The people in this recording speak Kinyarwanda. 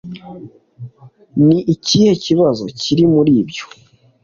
ni ikihe kibazo kiri muri ibyo?